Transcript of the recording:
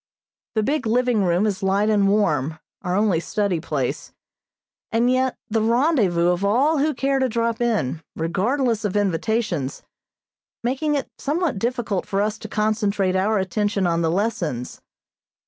The big living room is light and warm, our only study place, and yet the rendezvous of all who care to drop in, regardless of invitations, making it somewhat difficult for us to concentrate our attention on the lessons.